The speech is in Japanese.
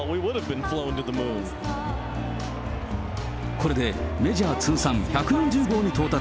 これでメジャー通算１４０号に到達。